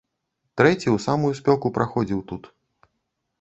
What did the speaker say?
Трэці ў самую спёку праходзіў тут.